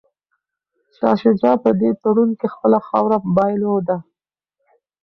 شاه شجاع په دې تړون کي خپله خاوره بایلوده.